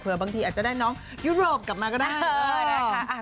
เผื่อบางทีอาจจะได้น้องยุโรปกลับมาก็ได้